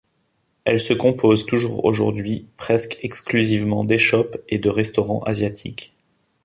Elle se compose toujours aujourd'hui presque exclusivement d'échoppes et de restaurants asiatiques.